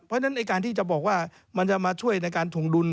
เพราะฉะนั้นการที่จะบอกว่ามันจะมาช่วยในการถงดุล